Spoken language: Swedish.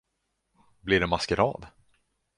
Blir det maskerad?